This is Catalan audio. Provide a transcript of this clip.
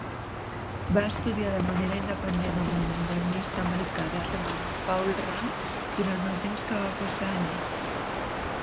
Va estudiar de manera independent amb el modernista americà de renom Paul Rand durant el temps que va passar allí.